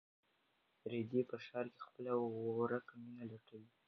رېدی په ښار کې خپله ورکه مینه لټوي.